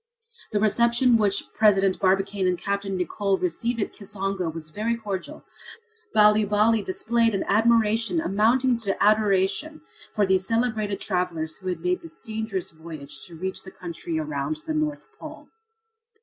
The reception which President Barbicane and Capt. Nicholl received at Kisongo was very cordial. Bali Bali displayed an admiration amounting to adoration for these celebrated travellers who had made this dangerous voyage to reach the country around the North Pole.